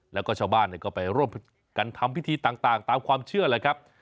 แล้วก็ชาวบ้านก็ไปร่วมกันทำพิธีต่างตามความเชื่อแหละครับ